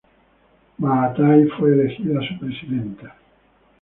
Maathai fue elegida su presidenta.